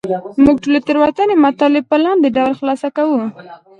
موږ ټول پورتني مطالب په لاندې ډول خلاصه کوو.